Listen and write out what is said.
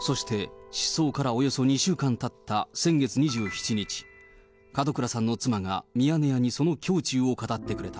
そして、失踪からおよそ２週間たった先月２７日、門倉さんの妻がミヤネ屋にその胸中を語ってくれた。